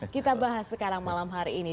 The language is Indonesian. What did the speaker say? kita bahas sekarang malam hari ini